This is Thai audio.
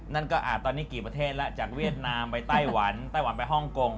นั่นก็ตอนนี้กี่ประเทศแล้วจากเวียดนามไปไต้หวันไต้หวันไปฮ่องกง